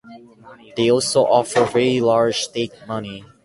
They also offer very large stake money.